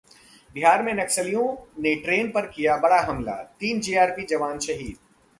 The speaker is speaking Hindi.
बिहार में नक्सलियों ने ट्रेन पर किया बड़ा हमला, तीन जीआरपी जवान शहीद